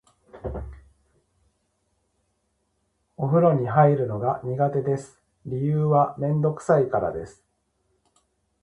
お風呂に入るのが苦手です。理由はめんどくさいからです。